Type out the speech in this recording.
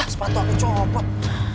sepatu aku copot